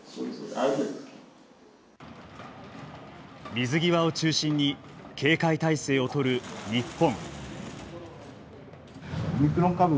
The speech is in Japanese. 水際を中心に警戒態勢を取る日本。